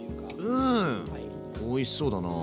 うんおいしそうだな。